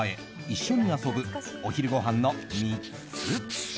一緒に遊ぶ、お昼ごはんの３つ。